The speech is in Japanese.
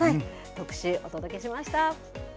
特集、お届けしました。